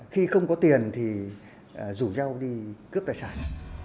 khi không có tiền thì rủ nhau đi cướp tài sản